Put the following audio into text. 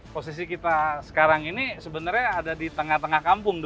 posisi kita sekarang ini sebenarnya ada di tengah tengah kampung dong